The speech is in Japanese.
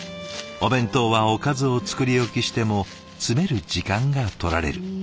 お弁当はおかずを作り置きしても詰める時間がとられる。